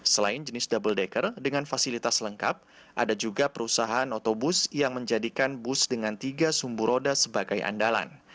selain jenis double decker dengan fasilitas lengkap ada juga perusahaan otobus yang menjadikan bus dengan tiga sumbu roda sebagai andalan